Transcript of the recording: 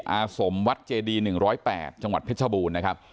อาสมวัดเจดีหนึ่งร้อยแปดจังหวัดเพชรบูนนะครับ